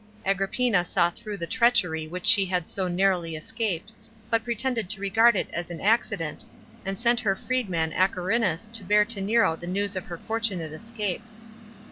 Agrippina saw through the treachery which she had so narrowly escaped, but pretended to regard it as an accident, and sent her freedman Agerinus to bear to Nero the news of her fortunate escape.